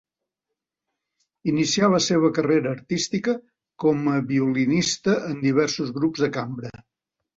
Inicià la seva carrera artística com a violista en diversos grups de cambra.